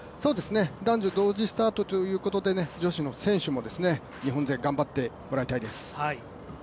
男女同時スタートということで、女子の選手も日本勢頑張ってもらいたいです。